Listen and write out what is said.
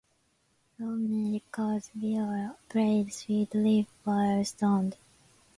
Iommi recalls We all played 'Sweet Leaf' while stoned.